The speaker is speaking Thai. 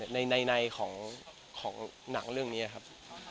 ในของหนังเรื่องนี้ครับ